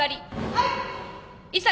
はい！